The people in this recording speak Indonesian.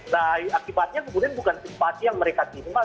nah akibatnya kemudian bukan simpati yang mereka terima